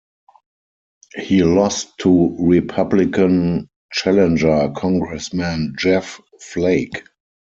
He lost to Republican challenger Congressman Jeff Flake.